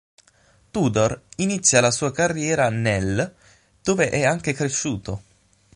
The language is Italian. Tudor inizia la sua carriera nell', dove è anche cresciuto.